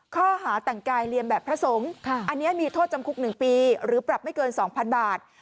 ข้อหาแต่งกายเรียนแบบพระสงฆ์อันนี้มีโทษจำคุก๑ปีหรือปรับไม่เกิน๒๐๐๐บาท